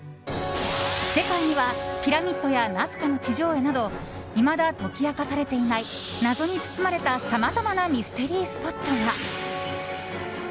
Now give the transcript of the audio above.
世界にはピラミッドやナスカの地上絵などいまだ解き明かされていない謎に包まれたさまざまなミステリースポットが。